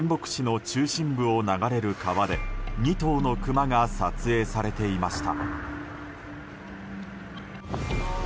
実は一昨日も仙北市の中心部を流れる川で２頭のクマが撮影されていました。